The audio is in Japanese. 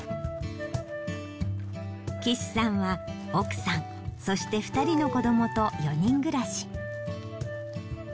貴志さんは奥さんそして２人の子どもと４人暮らし。